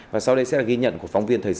và sau đây sẽ là ghi nhận của phóng viên thời sự